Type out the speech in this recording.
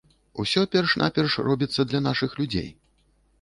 Усё перш-наперш робіцца для нашых людзей.